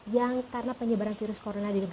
yang karena penyebaran virus corona di negeri